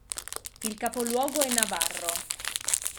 Il capoluogo è Navarro.